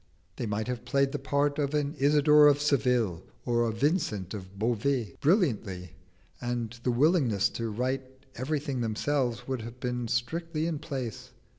They might have played the part of an Isidor of Seville or a Vincent of Beauvais brilliantly, and the willingness to write everything themselves would have been strictly in place.